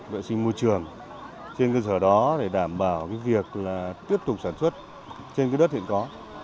vệ sinh môi trường trên cơ sở đó để đảm bảo việc tiếp tục sản xuất trên đất hiện có